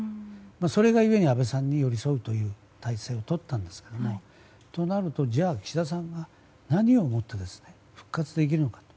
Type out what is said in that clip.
それがゆえに安倍さんに寄り添うという態勢をとったんですがとなると岸田さんが何をもって復活できるのか。